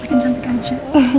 makin cantik aja